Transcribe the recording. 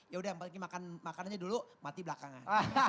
yaudah makan makannya dulu mati belakangan